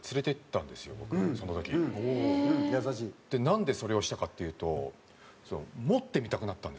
なんでそれをしたかっていうと。